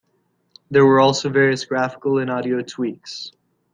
There were also various graphical and audio tweaks.